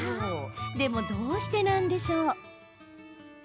でも、どうしてなんでしょう？